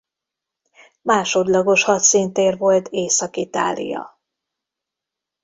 Másodlagos hadszíntér volt Észak-Itália.